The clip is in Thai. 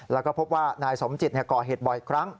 แล้วก็พบว่านายสมจิตก่อเหตุบ่อยครั้ง